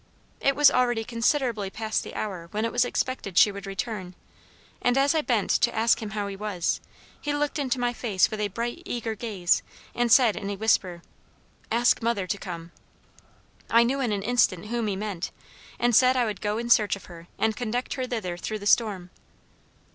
It was already considerably past the hour when it was expected she would return, and as I bent to ask him how he was, he looked into my face with a bright eager gaze, and said in a whisper, 'ask mother to come.' I knew in an instant whom he meant and said I would go in search of her and conduct her thither through the storm.